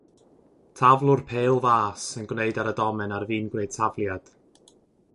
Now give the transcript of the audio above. taflwr pêl fas yn gwneud ar y domen ar fin gwneud tafliad